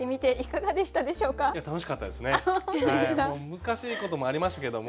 難しいこともありましたけども